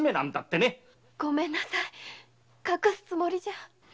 ごめんなさい隠すつもりじゃ。